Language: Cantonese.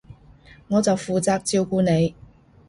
我就負責照顧你